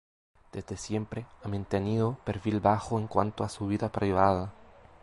Desde siempre ha mantenido perfil bajo en cuanto a su vida privada.